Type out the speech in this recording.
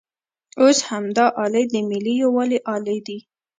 اوس همدا الې د ملي یووالي الې ده.